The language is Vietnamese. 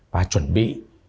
và chuẩn bị